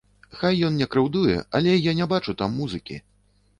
Хай ён не крыўдуе, але я не бачу там музыкі.